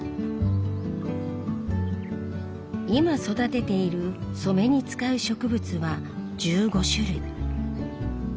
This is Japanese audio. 今育てている染めに使う植物は１５種類。